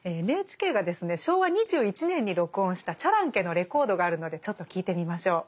ＮＨＫがですね昭和２１年に録音したチャランケのレコードがあるのでちょっと聴いてみましょう。